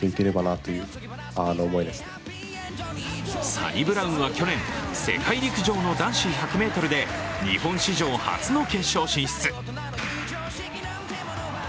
サニブラウンは去年世界陸上の男子１００ｍで日本史上初の決勝進出。